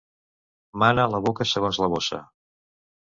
Mana la boca segons la bossa.